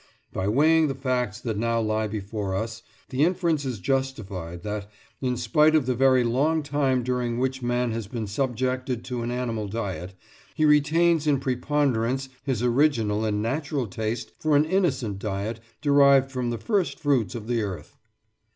By weighing the facts that now lie before us, the inference is justified that, in spite of the very long time during which man has been subjected to an animal diet, he retains in preponderance his original and natural taste for an innocent diet derived from the first fruits of the earth."